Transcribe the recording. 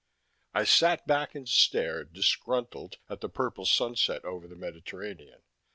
I sat back and stared, disgruntled, at the purple sunset over the Mediterranean.